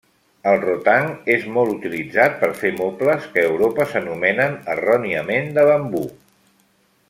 El rotang és molt utilitzat per fer mobles, que a Europa s'anomenen erròniament de bambú.